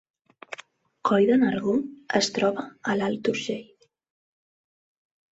Coll de Nargó es troba a l’Alt Urgell